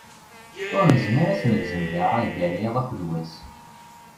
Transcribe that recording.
Ur nezmir ad tt-negzem di rray gar yiḍ akkeḍ wass.